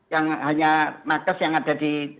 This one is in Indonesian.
yang hanya nakes yang ada di